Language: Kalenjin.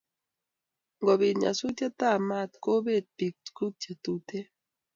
ngobit nyasutet ab maat kobet pik tukuk che tuten